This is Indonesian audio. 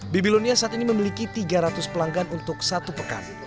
babylonia saat ini memiliki tiga ratus pelanggan untuk satu pekan